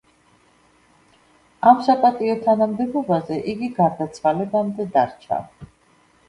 ამ საპატიო თანამდებობაზე იგი გარდაცვალებამდე დარჩა.